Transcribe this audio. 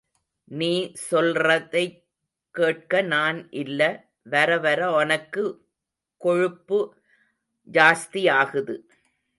நீ சொல்றதைக் கேட்க நான் இல்ல... வரவர ஒனக்கு கொழுப்பு ஜாஸ்தியாகுது.